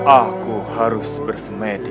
aku harus bersemedi